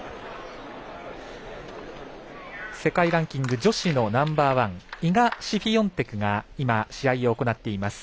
世界ランキング女子のナンバーワンイガ・シフィオンテクが今、試合を行っています。